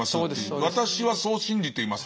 私はそう信じています。